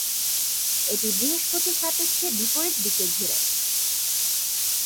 এটি বৃহস্পতির সাপেক্ষে বিপরীত দিকে ঘুরে।